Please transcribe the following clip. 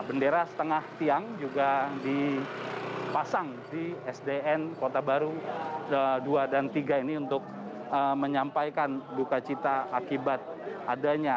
bendera setengah tiang juga dipasang di sdn kota baru dua dan tiga ini untuk menyampaikan duka cita akibat adanya